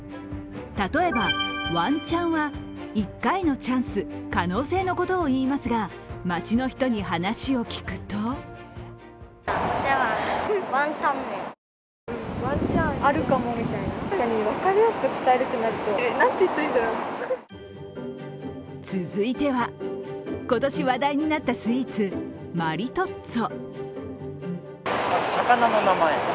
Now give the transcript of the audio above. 例えば、ワンチャンは１回のチャンス、可能性のことをいいますが町の人に話を聞くと続いては、今年話題になったスイーツ、マリトッツォ。